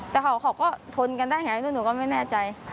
แต่เขาก็ทนกันได้ไงแล้วหนูก็ไม่แน่ใจ